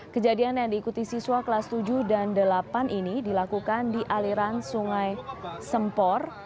kejadian yang diikuti siswa kelas tujuh dan delapan ini dilakukan di aliran sungai sempor